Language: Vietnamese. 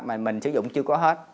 mà mình sử dụng chưa có hết